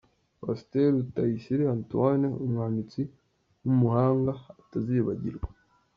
Pasiteri Rutayisire Antoine umwanditsi w’umuhanga atazibagirwa.